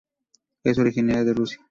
Es originaria de Rusia.